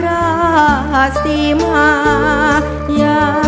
ว่าทำไมอ่ะ